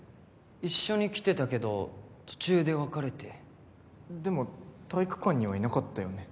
一緒に来てたけど途中で別れてでも体育館にはいなかったよね